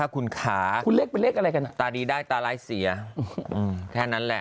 คุณขาคุณเล็กไปเล็กอะไรกันตาดีได้ตาไร้เสียอืมแทนนั้นแหละ